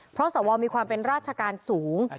เพราะสวมีความเป็นราชการสูง